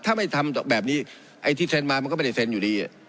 ถ้าไม่ทำแบบนี้ไอ้ที่เซ็นมามันก็ไม่ได้เซ็นอยู่ดี